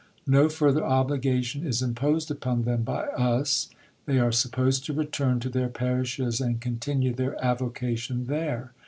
No further obligation is imposed upon them by us. They are supposed to return to their parishes and continue their avocation there.